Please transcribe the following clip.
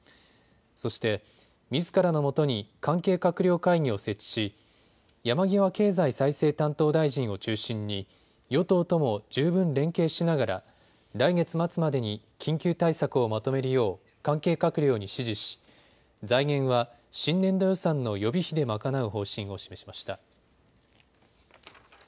そして、みずからのもとに関係閣僚会議を設置し山際経済再生担当大臣を中心に与党とも十分連携しながら来月末までに緊急対策をまとめるよう関係閣僚に指示し財源は新年度予算の予備費で賄う方針を示しました。